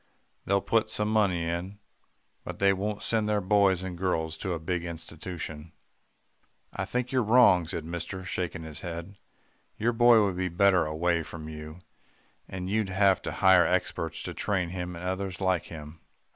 They'll put some money in but they won't send their boys and girls to a big institution.' "'I think you're wrong,' said mister shaking his head. 'Your boy would be better away from you and you'd have to hire experts to train him and others like him.